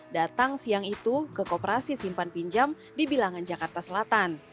datang siang itu ke kooperasi simpan pinjam di bilangan jakarta selatan